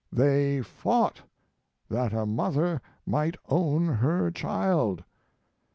"They fought, that a mother might own her child."